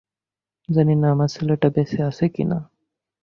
জানি না আমার ছেলেটা বেঁচে আছে কিনা।